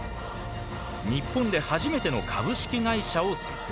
日本で初めての株式会社を設立。